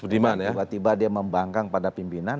tiba tiba dia membangkang pada pimpinan